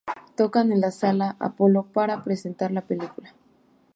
Tocan en la Sala Apolo para presentar la película.